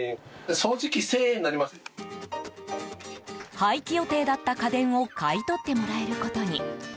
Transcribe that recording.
廃棄予定だった家電を買い取ってもらえることに。